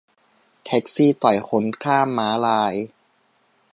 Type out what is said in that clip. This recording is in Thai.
แท็กซี่ต่อยคนข้ามม้าลาย